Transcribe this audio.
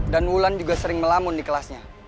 dan wulan juga sering melamun di kelasnya